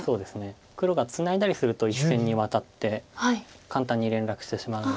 黒がツナいだりすると１線にワタって簡単に連絡してしまうので。